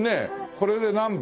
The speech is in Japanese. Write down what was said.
これで何杯？